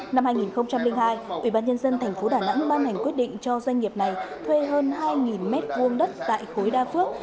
năm hai nghìn hai ủy ban nhân dân thành phố đà nẵng ban hành quyết định cho doanh nghiệp này thuê hơn hai mét vuông đất tại khối đa phước